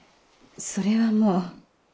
それはもう。